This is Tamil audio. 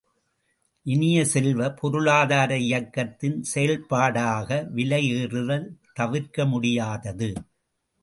இனிய செல்வ, பொருளாதார இயக்கத்தின் செய்பாடாக விலை ஏறுதல் தவிர்க்க முடியாதது.